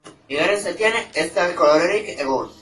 Bigarren zatian ez da kolorerik egon.